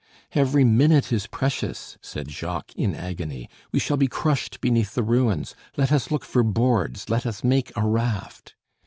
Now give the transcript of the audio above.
"Every minute is precious," said Jacques in agony. "We shall be crushed beneath the ruins. Let us look for boards, let us make a raft."